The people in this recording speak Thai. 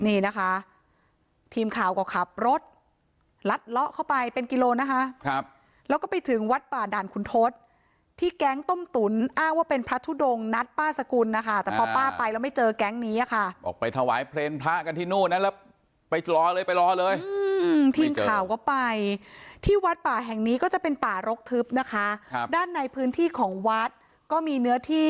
นี่นะคะทีมข่าวก็ขับรถลัดเลาะเข้าไปเป็นกิโลนะคะครับแล้วก็ไปถึงวัดป่าด่านคุณทศที่แก๊งต้มตุ๋นอ้างว่าเป็นพระทุดงนัดป้าสกุลนะคะแต่พอป้าไปแล้วไม่เจอแก๊งนี้ค่ะออกไปถวายเพลงพระกันที่นู่นนะแล้วไปรอเลยไปรอเลยอืมทีมข่าวก็ไปที่วัดป่าแห่งนี้ก็จะเป็นป่ารกทึบนะคะครับด้านในพื้นที่ของวัดก็มีเนื้อที่